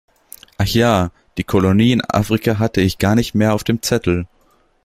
Ach ja, die Kolonie in Afrika hatte ich gar nicht mehr auf dem Zettel.